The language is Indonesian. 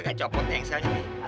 gak copot yang satunya